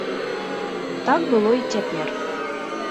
Так было і цяпер.